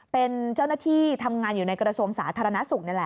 เป็นเจ้าหน้าที่ทำงานอยู่ในกระทรวงสาธารณสุขนี่แหละ